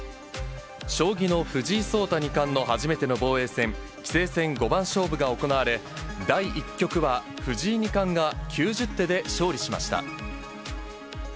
将棋の藤井聡太二冠の初めての防衛戦、棋聖戦５番勝負が行われ、第１局は藤井二冠が９０手で勝利しました。